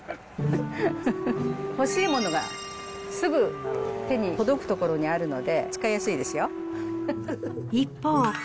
欲しいものがすぐ手に届く所にあるので、使いやすいですよ。